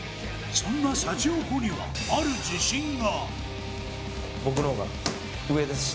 そんなシャチホコには、ある自信が。